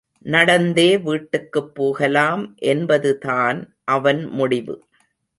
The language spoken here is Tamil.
நடந்தே வீட்டுக்குப் போகலாம் என்பது தான் அவன் முடிவு.